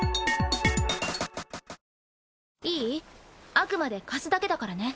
あくまで貸すだけだからね。